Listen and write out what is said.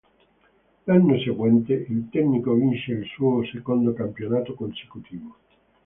L'anno seguente, il tecnico vince il suo secondo campionato consecutivo.